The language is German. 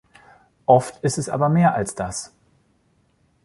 Oft ist es aber mehr als das.